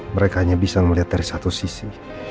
mereka hanya bisa melihat dari satu sisi